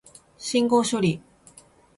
信号処理